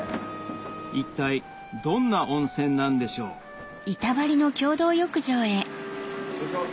一体どんな温泉なんでしょう失礼します。